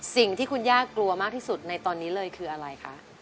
สิ่งที่คุณย่ากลัวมากที่สุดในตอนนี้เลยคืออะไรคะ